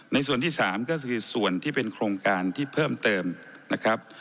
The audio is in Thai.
ส่วนที่๓ก็คือส่วนที่เป็นโครงการที่เพิ่มเติมนะครับ